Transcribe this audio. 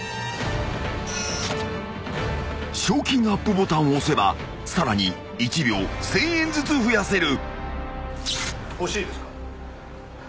［賞金アップボタンを押せばさらに１秒１，０００円ずつ増やせる］